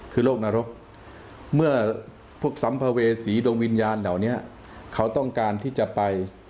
คือโรคนรกเมื่อพวกสัมภเวษีดวงวิญญาณเหล่านี้เขาต้องการที่จะไป